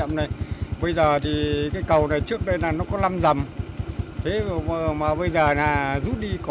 mà này là cây cố ép à cây chế ép thì là hóa ra là cấp nghi cầu thử nghiệm